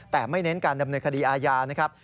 แต่ไม่เน้นการดำเนินคดีอาญานะครับ